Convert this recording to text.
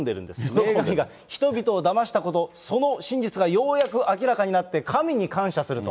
メーガン妃が人々をだましたこと、その真実がようやく明らかになって、神に感謝すると。